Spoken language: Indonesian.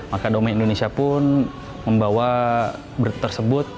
maka domain indonesia pun membawa berita tersebut